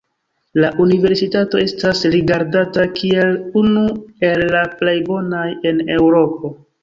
La universitato estas rigardata kiel unu el la plej bonaj en Eŭropo.